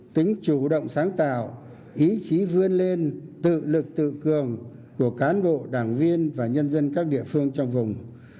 tính chủ động sáng tạo ý chí vươn lên tự lực tự cường của cán bộ đảng viên và nhân dân các địa phương trong vùng